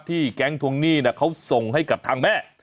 แก๊งทวงหนี้เขาส่งให้กับทางแม่